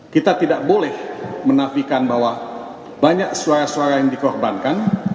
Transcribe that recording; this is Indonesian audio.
kita tidak boleh menafikan bahwa banyak suara suara yang dikorbankan